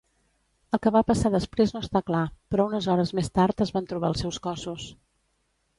El que va passar després no està clar, però unes hores més tard es van trobar els seus cossos.